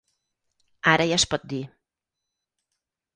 Ara ja es pot dir.